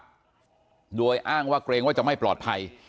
ด้วยโดยอ้างว่าเกรงว่าจะไม่ปลอดภัย